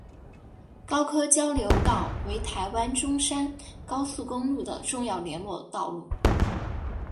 高科交流道为台湾中山高速公路的重要联络道路。